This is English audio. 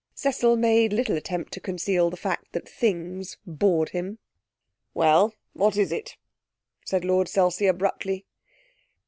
Cecil made little attempt to conceal that fact that Things bored him. 'Well, what is it?' said Lord Selsey abruptly.